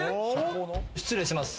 失礼します。